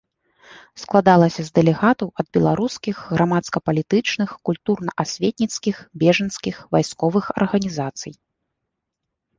Складалася з дэлегатаў ад беларускіх грамадска-палітычных, культурна-асветніцкіх, бежанскіх, вайсковых арганізацый.